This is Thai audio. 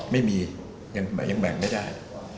ไม่มียังแบ่งไม่ได้